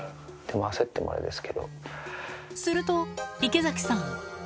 すると、池崎さん。